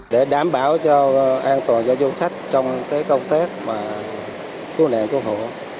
để đảm bảo cho an toàn cho du khách trong công tác cứu nạn cứu hộ